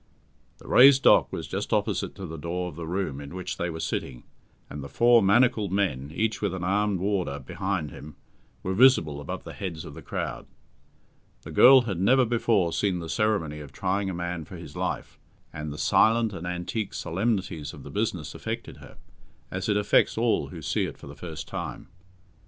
The raised dock was just opposite to the door of the room in which they were sitting, and the four manacled men, each with an armed warder behind him, were visible above the heads of the crowd. The girl had never before seen the ceremony of trying a man for his life, and the silent and antique solemnities of the business affected her, as it affects all who see it for the first time.